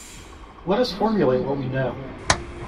Let us formulate what we know.